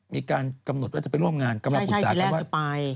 มีการกำหนดว่าจะไปร่วมงานกำลังขุดจากนั้นว่า